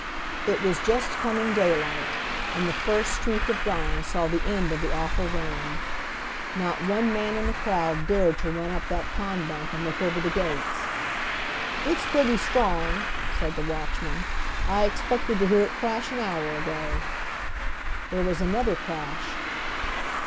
It was just coming daylight, and the first streak of dawn saw the end of the awful rain. Not one man in the crowd dared to run up that pond bank and look over the gates! "It's pretty strong!" said the watchman. "I expected to hear it crash an hour ago!" There was another crash!